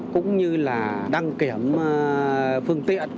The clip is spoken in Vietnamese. cũng như là đăng kiểm phương tiện